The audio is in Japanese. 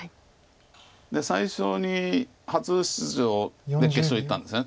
最初に初出場で決勝いったんですよね